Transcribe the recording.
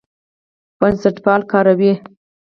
بنسټپال کاروي.